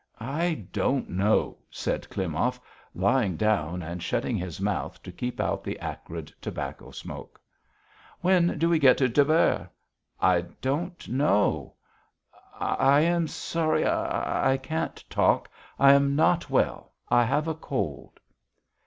"I don't know," said Klimov, lying down and shutting his mouth to keep out the acrid tobacco smoke. "When do we get to Tver." "I don't know. I am sorry, I ... I can't talk. I am not well. I have a cold."